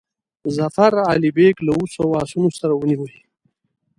ظفر علي بیګ له اوو سوو آسونو سره ونیوی.